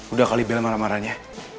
udah kali bela marah marahnya